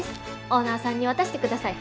オーナーさんに渡してください。